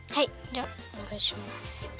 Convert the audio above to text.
じゃおねがいします。